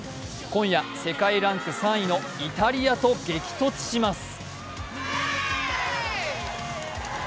今夜、世界ランク３位のイタリアと激突します。